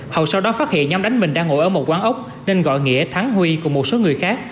hậu sau đó phát hiện nhóm đánh mình đang ngồi ở một quán ốc nên gọi nghĩa thắng huy cùng một số người khác